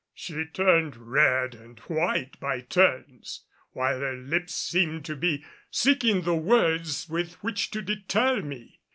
She turned red and white by turns, while her lips seemed to be seeking the words with which to deter me.